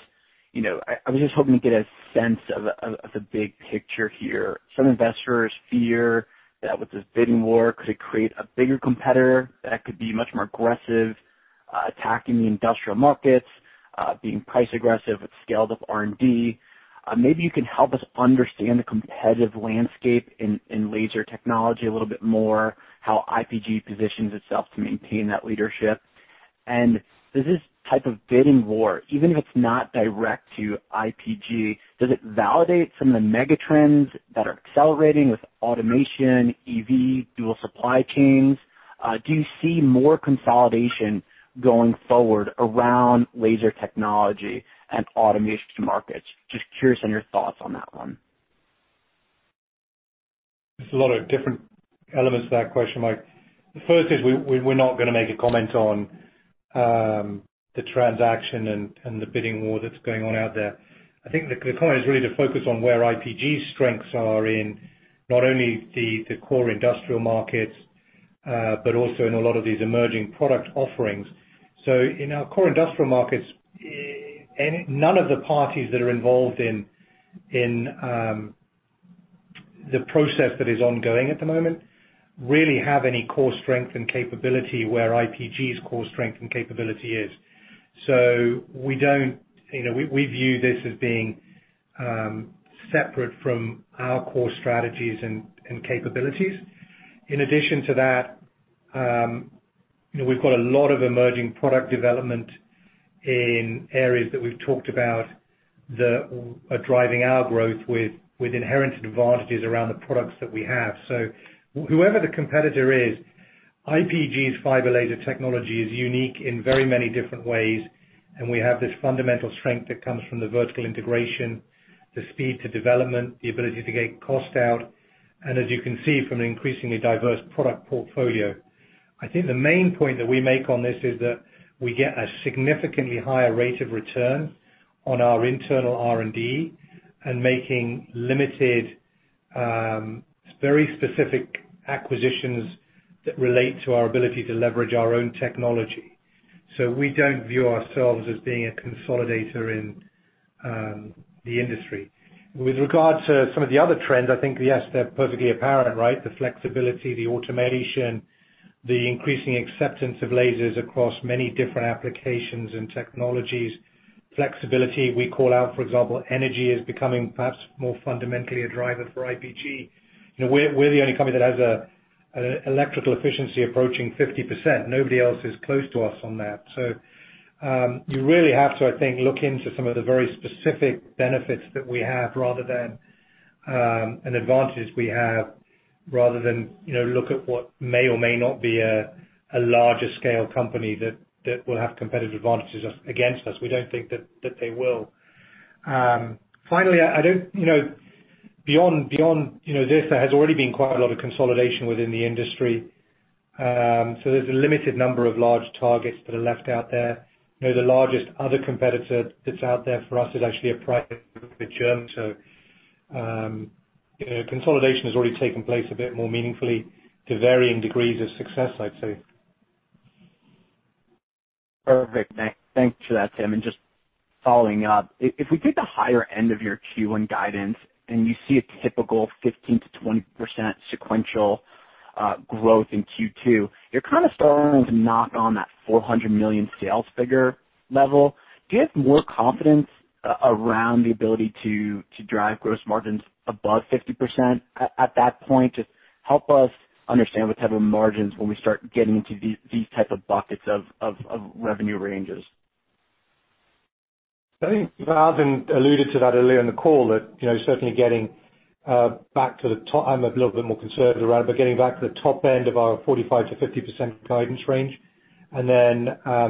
I was just hoping to get a sense of the big picture here. Some investors fear that with this bidding war, could it create a bigger competitor that could be much more aggressive, attacking the industrial markets, being price aggressive with scaled-up R&D? Maybe you can help us understand the competitive landscape in laser technology a little bit more, how IPG positions itself to maintain that leadership. Does this type of bidding war, even if it's not direct to IPG, does it validate some of the mega trends that are accelerating with automation, EV, dual supply chains? Do you see more consolidation going forward around laser technology and automation markets? Just curious on your thoughts on that one. There's a lot of different elements to that question, Mike. The first is we're not going to make a comment on the transaction and the bidding war that's going on out there. I think the point is really to focus on where IPG's strengths are in not only the core industrial markets, but also in a lot of these emerging product offerings. In our core industrial markets, none of the parties that are involved in the process that is ongoing at the moment really have any core strength and capability where IPG's core strength and capability is. We view this as being separate from our core strategies and capabilities. In addition to that, we've got a lot of emerging product development in areas that we've talked about that are driving our growth with inherent advantages around the products that we have. Whoever the competitor is, IPG's fiber laser technology is unique in very many different ways, and we have this fundamental strength that comes from the vertical integration, the speed to development, the ability to get cost out, and as you can see from an increasingly diverse product portfolio. I think the main point that we make on this is that we get a significantly higher rate of return on our internal R&D and making limited, very specific acquisitions that relate to our ability to leverage our own technology. We don't view ourselves as being a consolidator in the industry. With regard to some of the other trends, I think, yes, they're perfectly apparent, right? The flexibility, the automation, the increasing acceptance of lasers across many different applications and technologies. Flexibility, we call out, for example, energy is becoming perhaps more fundamentally a driver for IPG. We're the only company that has an electrical efficiency approaching 50%. Nobody else is close to us on that. You really have to, I think, look into some of the very specific benefits that we have and advantages we have, rather than look at what may or may not be a larger scale company that will have competitive advantages against us. We don't think that they will. Finally, beyond this, there has already been quite a lot of consolidation within the industry. There's a limited number of large targets that are left out there. The largest other competitor that's out there for us is actually a private [company, TRUMPF]. Consolidation has already taken place a bit more meaningfully to varying degrees of success, I'd say. Perfect. Thanks for that, Tim. Just following up, if we take the higher end of your Q1 guidance and you see a typical 15%-20% sequential growth in Q2, you're kind of starting to knock on that $400 million sales figure level. Do you have more confidence around the ability to drive gross margins above 50% at that point? Just help us understand what type of margins when we start getting into these type of buckets of revenue ranges. I think Valentin alluded to that earlier in the call that certainly getting back to the top. I'm a little bit more conservative around it, but getting back to the top end of our 45%-50% guidance range. Then,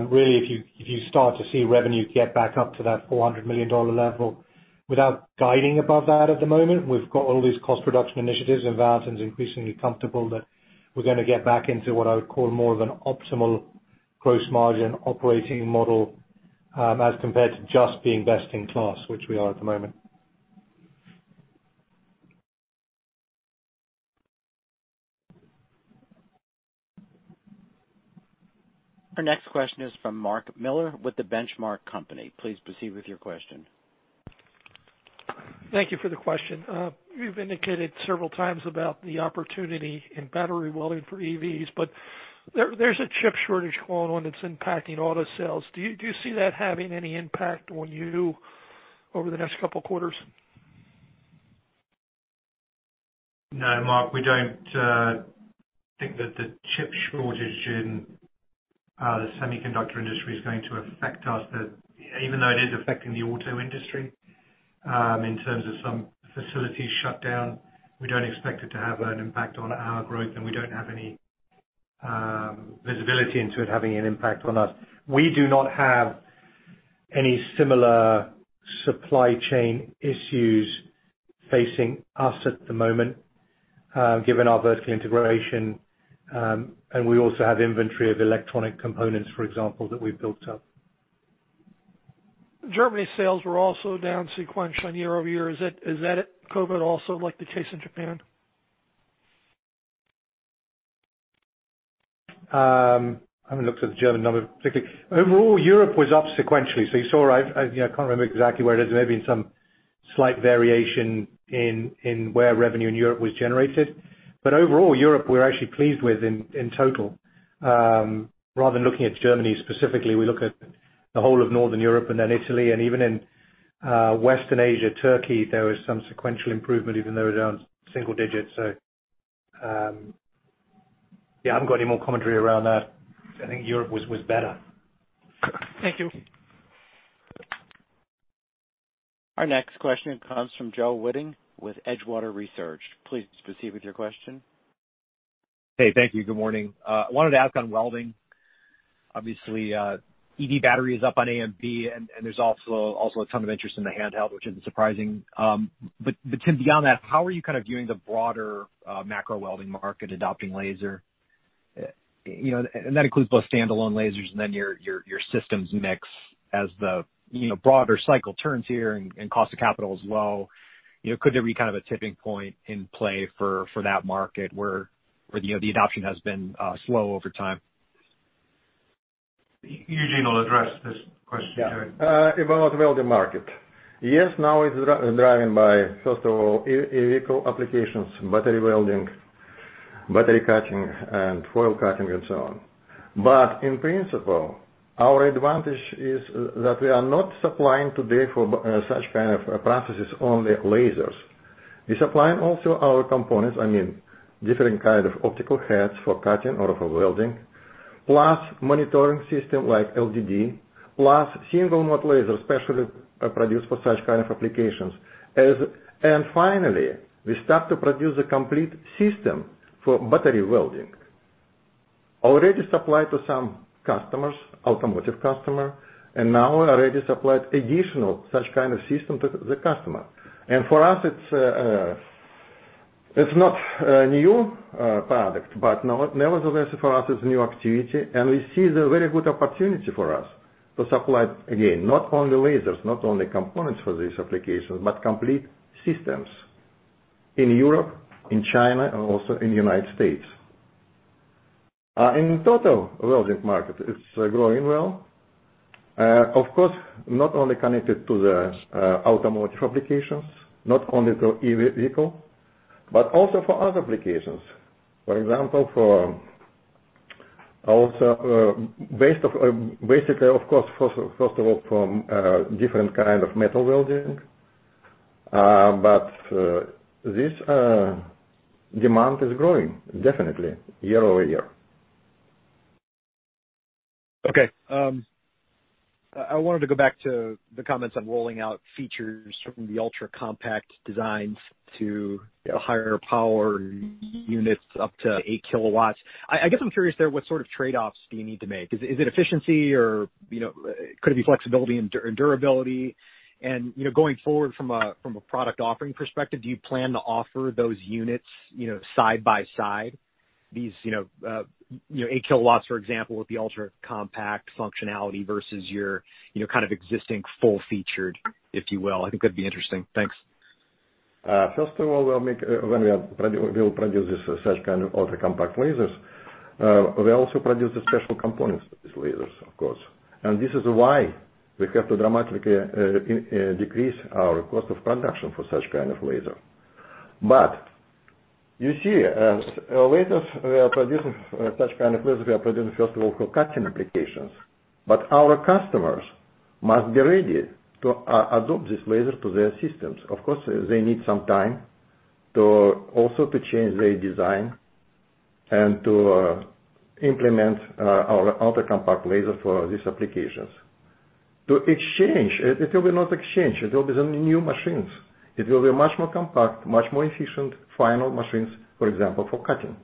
really, if you start to see revenue get back up to that $400 million level without guiding above that at the moment. We've got all these cost reduction initiatives, and Valentin's increasingly comfortable that we're going to get back into what I would call more of an optimal gross margin operating model, as compared to just being best in class, which we are at the moment. Our next question is from Mark Miller with The Benchmark Company. Please proceed with your question. Thank you for the question. You've indicated several times about the opportunity in battery welding for EVs, but there's a chip shortage going on that's impacting auto sales. Do you see that having any impact on you over the next couple quarters? No, Mark, we don't think that the chip shortage in the semiconductor industry is going to affect us. Even though it is affecting the auto industry, in terms of some facilities shut down, we don't expect it to have an impact on our growth, and we don't have any visibility into it having an impact on us. We do not have any similar supply chain issues facing us at the moment, given our vertical integration, and we also have inventory of electronic components, for example, that we've built up. Germany sales were also down sequentially year-over-year. Is that at COVID also like the case in Japan? I haven't looked at the German numbers particularly. Overall, Europe was up sequentially. You saw, I can't remember exactly where it is. There may have been some slight variation in where revenue in Europe was generated. Overall, Europe we're actually pleased with in total. Rather than looking at Germany specifically, we look at the whole of Northern Europe and then Italy, and even in Western Asia, Turkey, there was some sequential improvement even though it was only single digits. Yeah, I haven't got any more commentary around that. I think Europe was better. Thank you. Our next question comes from Joe Wittine with Edgewater Research. Please proceed with your question. Hey, thank you. Good morning. I wanted to ask on welding, obviously, EV battery is up on AMB, and there's also a ton of interest in the LightWELD, which isn't surprising. Tim, beyond that, how are you viewing the broader macro welding market adopting laser? That includes both standalone lasers and then your systems mix as the broader cycle turns here and cost of capital as well. Could there be a tipping point in play for that market where the adoption has been slow over time? Eugene will address this question, [Terry]. About welding market. Now it's driving by, first of all, EV applications, battery welding, battery cutting, and foil cutting and so on. In principle, our advantage is that we are not supplying today for such kind of processes only lasers. We're supplying also our components, I mean, different kind of optical heads for cutting or for welding, plus monitoring system like LDD, plus single mode laser, specially produced for such kind of applications. Finally, we start to produce a complete system for battery welding. Already supplied to some customers, automotive customer, now we already supplied additional such kind of system to the customer. For us, it's not a new product, but nevertheless, for us, it's a new activity, and we see it's a very good opportunity for us to supply, again, not only lasers, not only components for these applications, but complete systems in Europe, in China, and also in United States. In total welding market, it's growing well. Of course, not only connected to the automotive applications, not only to EV vehicle, but also for other applications. For example, basically, of course, first of all, from different kind of metal welding. This demand is growing, definitely, year-over-year. Okay. I wanted to go back to the comments on rolling out features from the ultra-compact designs to higher power units up to 8 kW. I guess I'm curious there, what sort of trade-offs do you need to make? Is it efficiency or could it be flexibility and durability? Going forward from a product offering perspective, do you plan to offer those units side by side, these 8 kW, for example, with the ultra-compact functionality versus your kind of existing full featured, if you will? I think that'd be interesting. Thanks. First of all, when we will produce this such kind of ultra-compact lasers, we also produce the special components of these lasers, of course. This is why we have to dramatically decrease our cost of production for such kind of laser. You see, such kind of lasers we are producing, first of all, for cutting applications. Our customers must be ready to adopt this laser to their systems. Of course, they need some time to also change their design and to implement our ultra-compact laser for these applications. To exchange, it will be not exchange, it will be the new machines. It will be much more compact, much more efficient final machines, for example, for cutting.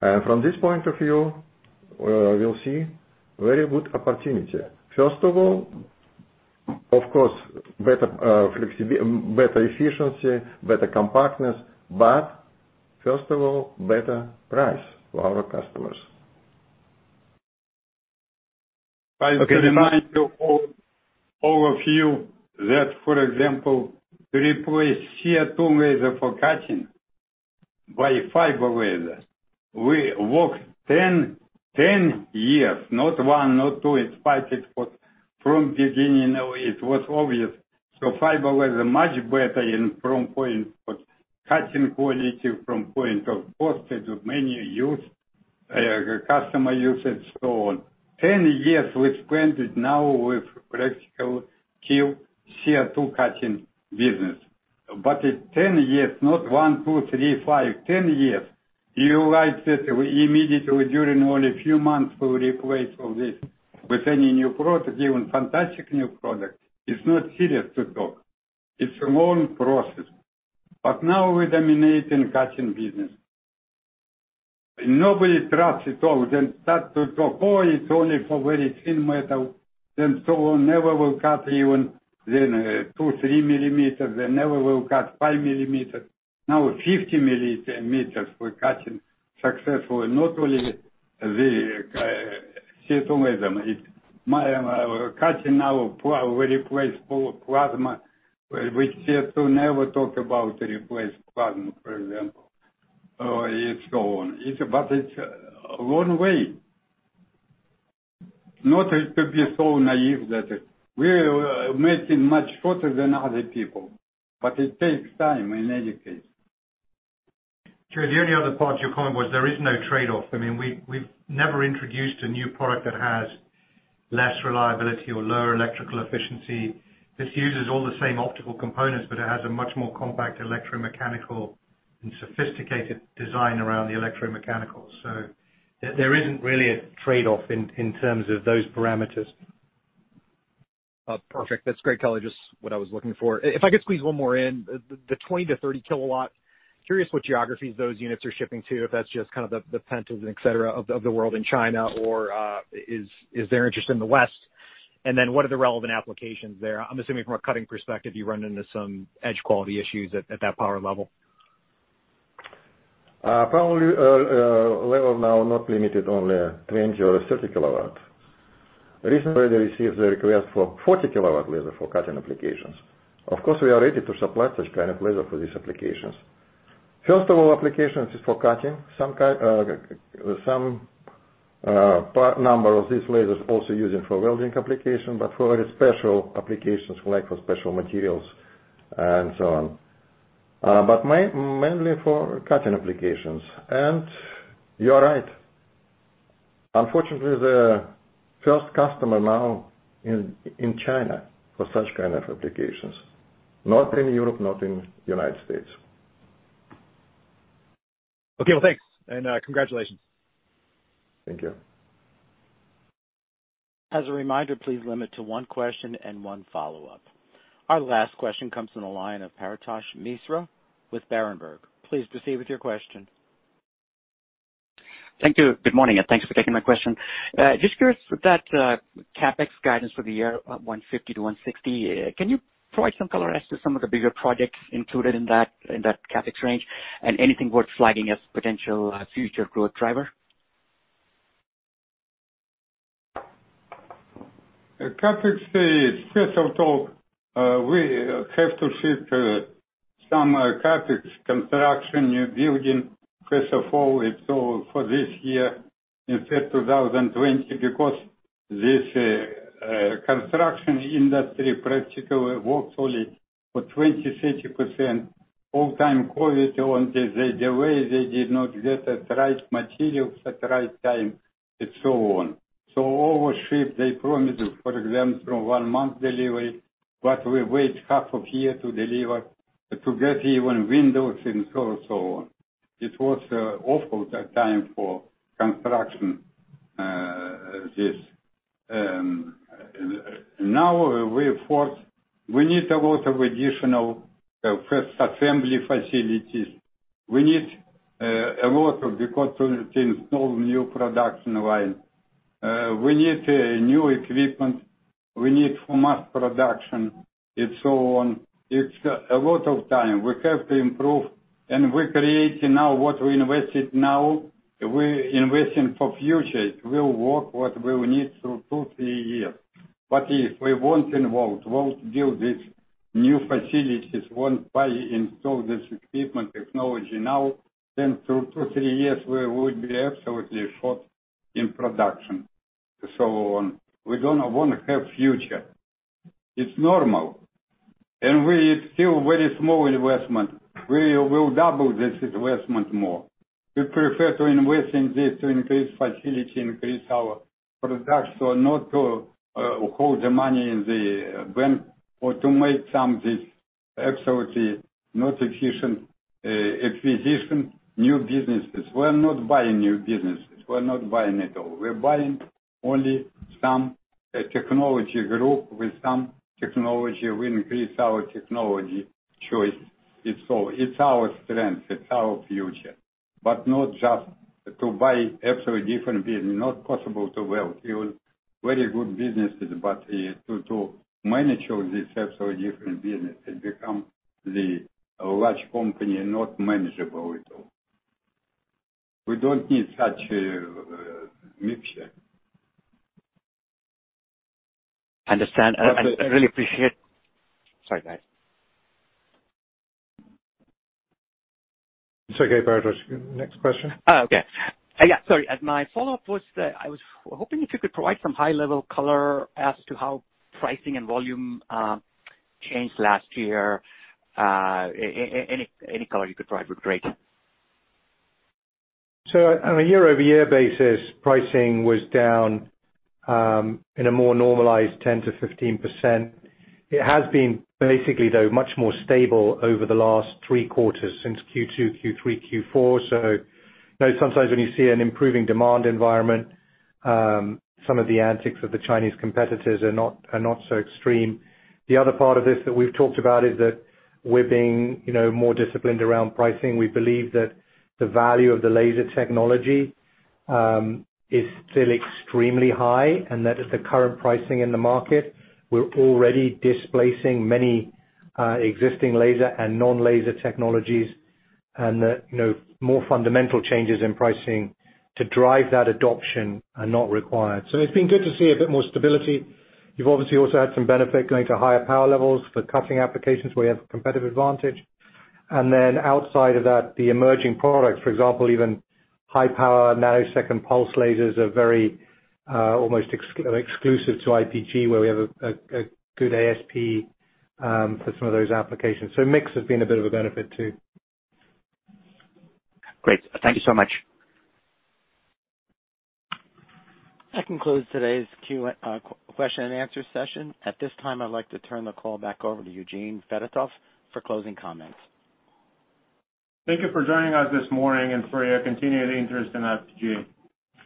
From this point of view, we'll see very good opportunity. First of all, of course, better efficiency, better compactness, but first of all, better price for our customers. Okay. I remind all of you that, for example, to replace CO2 laser for cutting by fiber laser, we worked 10 years, not one, not two. In fact, from beginning, it was obvious. Fiber laser much better from point of cutting quality, from point of cost, as many customers use it, so on. 10 years we spent it now with practical CO2 cutting business. It's 10 years, not one, two, three, five, 10 years. You like that immediately during only a few months we replace all this with any new product, even fantastic new product. It's not serious to talk. It's a long process. Now we dominate in cutting business. Nobody trusts at all. Start to talk, "Oh, it's only for very thin metal, then so on. Never will cut even then 2 mm, 3 mm, then never will cut 5 mm. Now 50 mm we're cutting successfully, not only the CO2 laser. Cutting now, we replace full plasma, which CO2 never talk about replace plasma, for example, and so on. It's a long way. Not to be so naive that we make it much shorter than other people, but it takes time, in any case. [Terry], the only other part to your comment was there is no trade-off. We've never introduced a new product that has less reliability or lower electrical efficiency. This uses all the same optical components, but it has a much more compact electromechanical and sophisticated design around the electromechanical. There isn't really a trade-off in terms of those parameters. Oh, perfect. That's great, [Kelly]. Just what I was looking for. If I could squeeze one more in. 20 kW-30 kW, curious what geographies those units are shipping to, if that's just kind of the Pentas and et cetera of the world in China or is there interest in the West? What are the relevant applications there? I'm assuming from a cutting perspective, you run into some edge quality issues at that power level. Power level now not limited only 20 kW or 30 kW. Recently, they received a request for 40 kW laser for cutting applications. Of course, we are ready to supply such kind of laser for these applications. First of all, applications is for cutting. Some part number of these lasers also using for welding application, but for very special applications, like for special materials and so on. Mainly for cutting applications. You are right. Unfortunately, the first customer now in China for such kind of applications. Not in Europe, not in United States. Okay, well, thanks, and congratulations. Thank you. As a reminder, please limit to one question and one follow-up. Our last question comes from the line of Paretosh Misra with Berenberg. Please proceed with your question. Thank you. Good morning, and thanks for taking my question. Just curious with that CapEx guidance for the year, $150-$160, can you provide some color as to some of the bigger projects included in that CapEx range and anything worth flagging as potential future growth driver? CapEx, first of all, we have to shift some CapEx construction, new building, first of all, for this year in 2020, because this construction industry practically works only for 20%-30% all time COVID on the way, they did not get the right materials at the right time and so on. Overship, they promised, for example, one month delivery, but we wait half of year to deliver, to get even windows and so on. It was awful that time for construction. Now we need a lot of additional first assembly facilities. We need a lot of because to install new production line. We need new equipment. We need for mass production and so on. It's a lot of time. We have to improve, we're creating now what we invested now, we're investing for future. It will work what we will need through two, three years. If we won't involve, won't build these new facilities, won't buy, install this equipment technology now, then through two, three years, we would be absolutely short in production and so on. We don't want to have future. It's normal. We still very small investment. We will double this investment more. We prefer to invest in this to increase facility, increase our production, not to hold the money in the bank or to make some of this absolutely not efficient acquisition, new businesses. We're not buying new businesses. We're not buying at all. We're buying only some technology group with some technology. We increase our technology choice. It's our strength, it's our future, but not just to buy absolutely different business, not possible to weld even very good businesses, but to manage all these absolutely different businesses and become the large company, not manageable at all. We don't need such a mixture. Understand. I really appreciate. Sorry, guys. It's okay, Paretosh. Next question. Oh, okay. Yeah, sorry. My follow-up was that I was hoping if you could provide some high-level color as to how pricing and volume changed last year. Any color you could provide would be great. On a year-over-year basis, pricing was down in a more normalized 10%-15%. It has been basically, though, much more stable over the last three quarters since Q2, Q3, Q4. Sometimes when you see an improving demand environment, some of the antics of the Chinese competitors are not so extreme. The other part of this that we've talked about is that we're being more disciplined around pricing. We believe that the value of the fiber laser technology is still extremely high, and that at the current pricing in the market, we're already displacing many existing laser and non-laser technologies, and that more fundamental changes in pricing to drive that adoption are not required. It's been good to see a bit more stability. You've obviously also had some benefit going to higher power levels for cutting applications where you have a competitive advantage. Outside of that, the emerging products, for example, even high-power nanosecond pulse lasers are very almost exclusive to IPG, where we have a good ASP for some of those applications. Mix has been a bit of a benefit too. Great. Thank you so much. That concludes today's question and answer session. At this time, I'd like to turn the call back over to Eugene Fedotoff for closing comments. Thank you for joining us this morning and for your continued interest in IPG.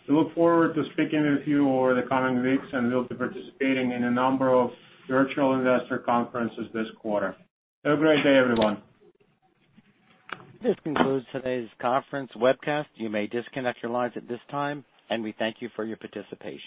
We look forward to speaking with you over the coming weeks, and we'll be participating in a number of virtual investor conferences this quarter. Have a great day, everyone. This concludes today's conference webcast. You may disconnect your lines at this time, and we thank you for your participation.